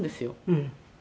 「うん」